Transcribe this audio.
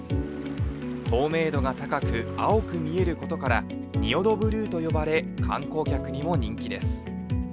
透明度が高く青く見えることから仁淀ブルーと呼ばれ観光客にも人気です。